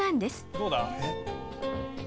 どうだ？